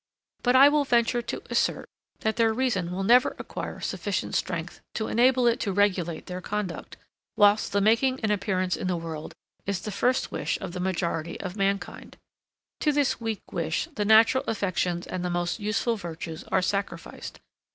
But I will venture to assert, that their reason will never acquire sufficient strength to enable it to regulate their conduct, whilst the making an appearance in the world is the first wish of the majority of mankind. To this weak wish the natural affections and the most useful virtues are sacrificed.